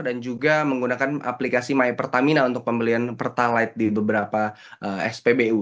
dan juga menggunakan aplikasi mypertamina untuk pembelian pertalat di beberapa spbu